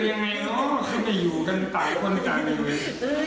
มันเป็นยังไงเนอะขึ้นไปอยู่กันไปคนกลางไปอยู่เนี่ย